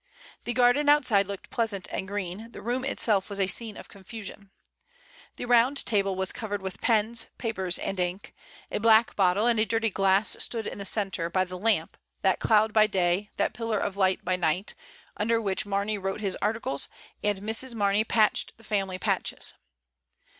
The garden outside looked pleasant and green; the room itself was a scene of confusion. The round table was covered with pens, papers, and ink; a black bottle and a dirty glass stood in the centre, by the lamp, that cloud by day, that pillar of light by night, under which Marney wrote his articles and Mrs. Mamey patched the family patches.